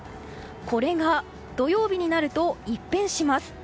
これが土曜日になると一変します。